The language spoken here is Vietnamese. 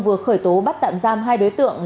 vừa khởi tố bắt tạm giam hai đối tượng